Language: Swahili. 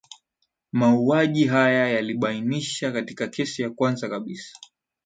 mauaji haya yalibainisha katika kesi ya kwanza kabisa